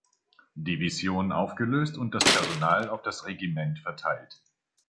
Division aufgelöst und das Personal auf das Regiment verteilt.